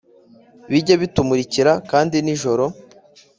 bijye bitumurikira kandi nijoro.